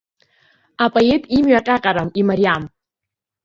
Апоет имҩа ҟьаҟьарам, имариам.